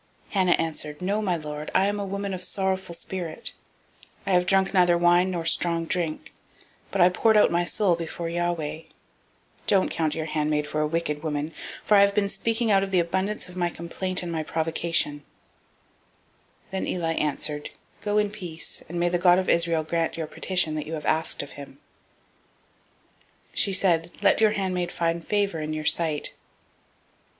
001:015 Hannah answered, No, my lord, I am a woman of a sorrowful spirit: I have drunk neither wine nor strong drink, but I poured out my soul before Yahweh. 001:016 Don't count your handmaid for a wicked woman; for out of the abundance of my complaint and my provocation have I spoken hitherto. 001:017 Then Eli answered, Go in peace; and the God of Israel grant your petition that you have asked of him. 001:018 She said, Let your handmaid find favor in your sight.